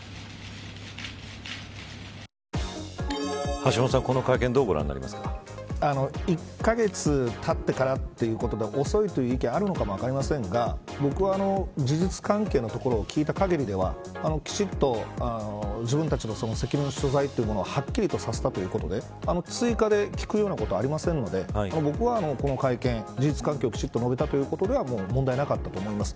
橋下さん、この会見どうご覧になりますか。１カ月たってからということで遅いという意見があるのかも分かりませんが僕は事実関係のところを聞いた限りではきちんと自分たちの責任の所在というものをはっきりとさせたということで追加で聞くようなことはありませんので僕はこの会見、事実関係をきちんと述べたということでは問題なかったと思います。